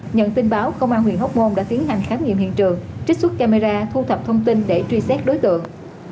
nhận tin báo công an huyện hóc môn đã tiến hành khám nghiệm hiện trường trích xuất camera thu thập thông tin để truy xét đối tượng